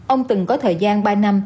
ông từng có thời gian ba năm